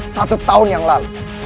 satu tahun yang lalu